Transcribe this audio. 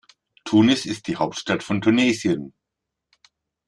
Tunis ist die Hauptstadt von Tunesien.